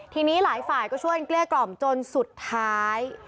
ทีนี้หลายฝ่ายก็ช่วยกันเกลี้ยกล่อมจนสุดท้าย